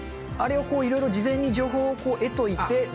あれをこういろいろ事前に情報を得といて。